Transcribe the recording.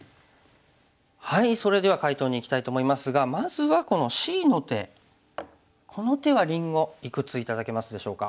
それでは解答にいきたいと思いますがまずはこのＣの手この手はりんごいくつ頂けますでしょうか？